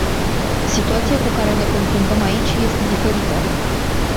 Situația cu care ne confruntăm aici este diferită.